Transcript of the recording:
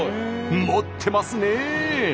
持ってますね！